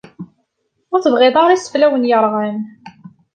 Ur tebɣiḍ ara iseflawen yerɣan.